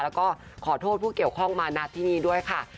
แล้วก็ขอโทษผู้เกี่ยวข้องมานัดที่นี่ด้วยค่ะ